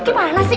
eh gimana sih